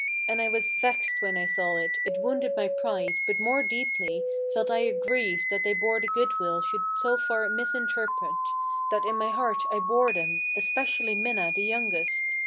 And I was vexed when I saw it, it wounded my pride; but more deeply Felt I aggrieved that they the good will should so far misinterpret That in my heart I bore them, especially Minna the youngest.